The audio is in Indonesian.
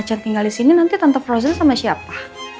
kalau om acan tinggal disini nanti tante frozen sama siapa